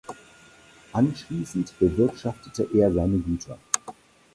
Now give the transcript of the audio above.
Anschließend bewirtschaftete er seine Güter.